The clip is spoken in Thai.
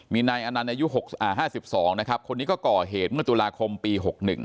มีนายอนันต์อายุ๕๒นะครับคนนี้ก็ก่อเหตุเมื่อตุลาคมปี๖๑